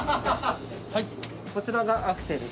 こちらがアクセル。